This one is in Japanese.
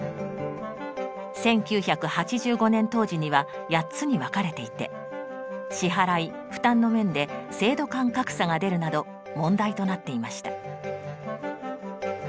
１９８５年当時には８つに分かれていて支払い・負担の面で制度間格差が出るなど問題となっていました。